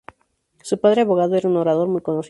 Su padre, abogado, era un orador muy conocido.